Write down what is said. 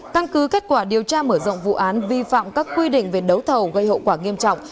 căn cứ kết quả điều tra mở rộng vụ án vi phạm các quy định về đấu thầu gây hậu quả nghiêm trọng